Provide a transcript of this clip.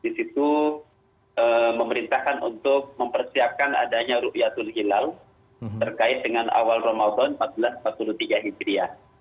di situ memerintahkan untuk mempersiapkan adanya rukyatul hilal terkait dengan awal ramadan empat belas empat puluh tiga hijriah